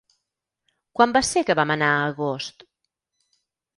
Quan va ser que vam anar a Agost?